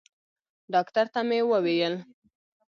ډاکتر ته مې وويل.